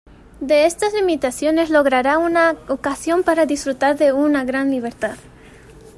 De estas limitaciones logrará una ocasión para disfrutar de una gran libertad.